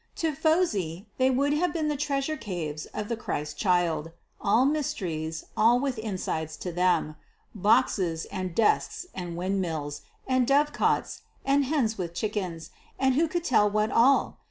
To Phosy they would have been the treasure caves of the Christ child all mysteries, all with insides to them boxes, and desks, and windmills, and dove cots, and hens with chickens, and who could tell what all?